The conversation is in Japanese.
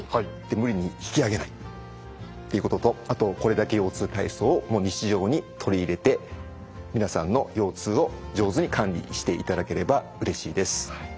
無理に引き上げないっていうこととあと「これだけ腰痛体操」をもう日常に取り入れて皆さんの腰痛を上手に管理していただければうれしいです。